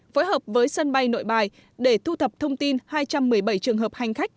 phối hợp với sân bay nội bài để thu thập thông tin hai trăm một mươi bảy trường hợp hành khách